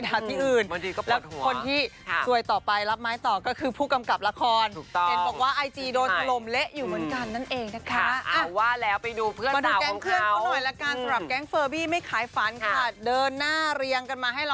แต่ความรู้สึกเพื่อนแก๊งเฟอร์บี้ไม่ถ่ายฟันสักเท่าไหร่